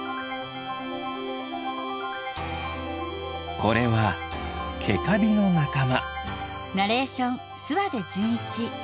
これはケカビのなかま。